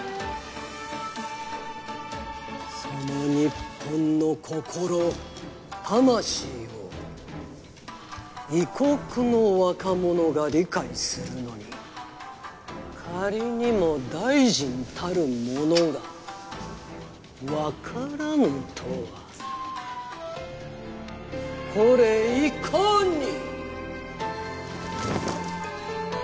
その日本の心魂を異国の若者が理解するのに仮にも大臣たるものが分からぬとはこれいかに！